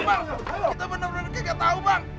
apa bang kita bener bener gak tau bang